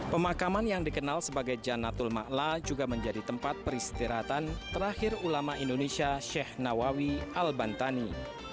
pemakaman yang dikenal sebagai janatul ma'la juga menjadi tempat peristirahatan terakhir ulama indonesia syekh nawawi al bantani